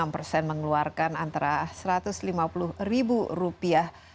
enam persen mengeluarkan antara satu ratus lima puluh ribu rupiah